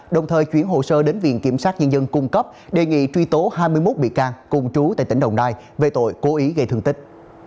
đồng thời chuyển hồ sơ đến viện kiểm sát nhân dân cung cấp đề nghị truy tố hai mươi một bị can cùng trú tại tỉnh đồng nai về tội cố ý gây thương tích